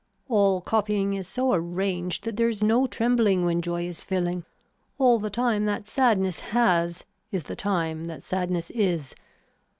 All copying is so arranged that there is no trembling when joy is filling. All the time that sadness has is the time that sadness is.